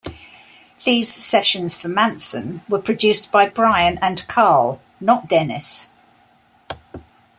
These sessions for Manson were produced by Brian and Carl, not Dennis.